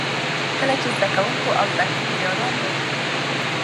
کله چې زده کـوونـکو او زده کړيـالانـو